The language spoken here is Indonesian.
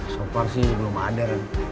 sopar sih belum ada